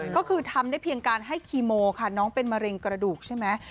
ก็คือทำได้เพียงการให้คีโมค่ะน้องเป็นมะเร็งกระดูกใช่ไหม